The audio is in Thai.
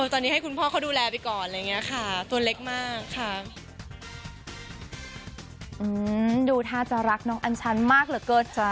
ตอนนี้ให้คุณพ่อเขาดูแลไปก่อนอะไรอย่างนี้ค่ะ